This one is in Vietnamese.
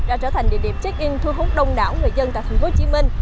đã trở thành địa điểm check in thu hút đông đảo người dân tại thành phố hồ chí minh